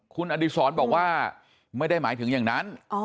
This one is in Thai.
คุณอดีศรบอกว่าไม่ได้หมายถึงอย่างนั้น